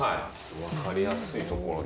分かりやすいところで。